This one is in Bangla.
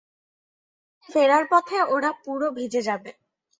ফেরার পথে ওরা পুরো ভিজে যাবে।